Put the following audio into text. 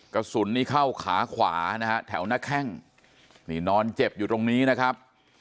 กระสุนเข้าขาขวาแถวนาแข้งนอนเจ็บอยู่ตรงนี้นะครับ